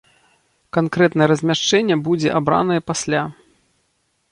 Канкрэтнае размяшчэнне будзе абранае пасля.